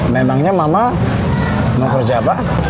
memangnya mama mau kerja apa